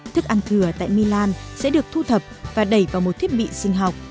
thức ăn thừa tại milan sẽ được thu thập và đẩy vào một thiết bị sinh học